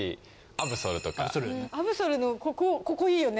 アブソルのここここいいよね。